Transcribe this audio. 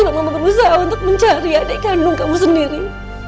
kamu berusaha untuk mencari adik kandung kamu sendiri